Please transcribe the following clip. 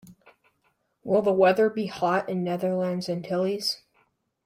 Will the weather be hot in Netherlands Antilles?